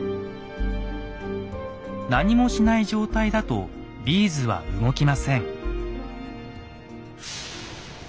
何もしない状態だとビーズは動きません。